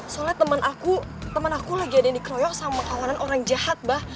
soalnya teman aku teman aku lagi ada di keroyok sama kawanan orang jahat abah